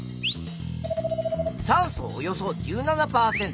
酸素およそ１７％。